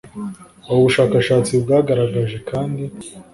Ubu bushakashatsi bwagaragaje kandi